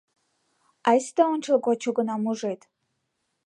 Айста ончылгоч огына мужед.